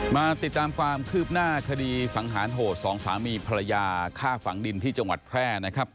มาติดตามความคืบหน้าคดีสังหารโหดสองสามีภรรยาฆ่าฝังดินที่จังหวัดแพร่นะครับ